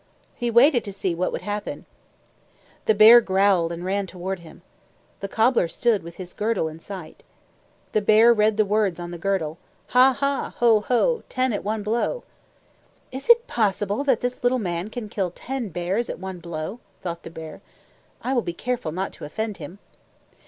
He waited to see what would happen. The bear growled and ran toward him. The cobbler stood with his girdle in sight. The bear read the words on the girdle: Ha, ha! Ho, ho! Ten at one blow. "Is it possible that this little man can kill TEN BEARS at one blow?" thought the bear, "I will be careful not to offend him."